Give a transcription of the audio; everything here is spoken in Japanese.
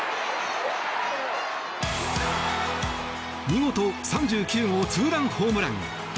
見事３９号ツーランホームラン！